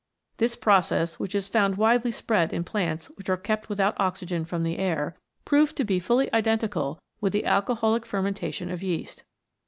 This process, which is found widely spread in plants which are kept without oxygen from the air, proved to be fully identical with the alcoholic fermentation of yeast.